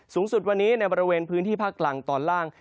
สูงสุดวันนี้ในบริเวณพื้นที่ภาคกลางตอนล่าง